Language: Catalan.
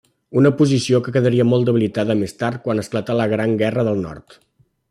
Una posició que quedaria molt debilitada més tard quan esclatà la Gran Guerra del Nord.